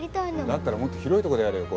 だったらもっと広いとこでやれよ